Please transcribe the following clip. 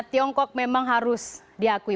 tiongkok memang harus diakui